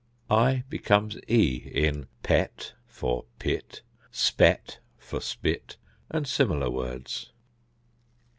i becomes e in pet for pit, spet for spit, and similar words.